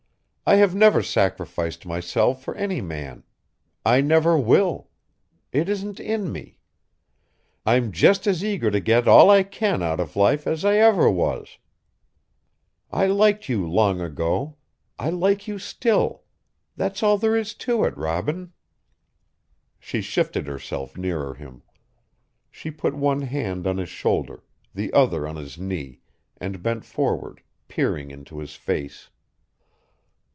I have never sacrificed myself for any man. I never will. It isn't in me. I'm just as eager to get all I can out of life as I ever was. I liked you long ago. I like you still. That's all there is to it, Robin." She shifted herself nearer him. She put one hand on his shoulder, the other on his knee, and bent forward, peering into his face.